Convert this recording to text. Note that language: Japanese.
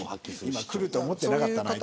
今、来ると思ってなかったなあ